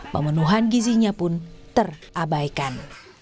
pemenuhan gizinya pun terabaikan